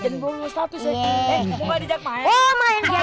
mau gak dijak main